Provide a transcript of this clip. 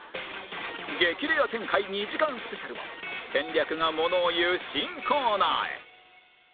激レア展開２時間スペシャルは戦略がものを言う新コーナーへ